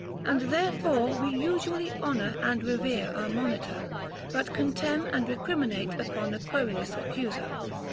And therefore we usually honor and revere our monitor, but contemn and recriminate upon a querulous accuser.